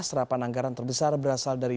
serapan anggaran terbesar berasal dari